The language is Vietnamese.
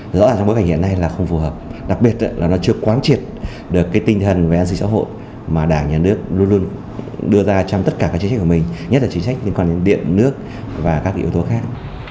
rõ ràng trong bối cảnh hiện nay là không phù hợp đặc biệt là nó chưa quán triệt được cái tinh thần về an sinh xã hội mà đảng nhà nước luôn luôn đưa ra trong tất cả các chính sách của mình nhất là chính sách liên quan đến điện nước và các yếu tố khác